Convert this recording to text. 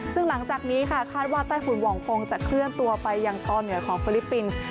ซึ่งหลังจากนี้ค่ะคาดว่าใต้ฝุ่นหว่องฟงจะเคลื่อนตัวไปยังตอนเหนือของฟิลิปปินส์